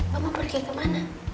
mama pergi kemana